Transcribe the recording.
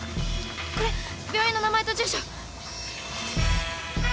これ病院の名前と住所。